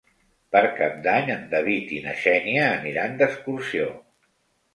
Per Cap d'Any en David i na Xènia aniran d'excursió.